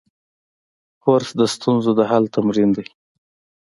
کورس د ستونزو د حل تمرین دی.